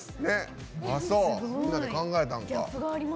みんなで考えたんか。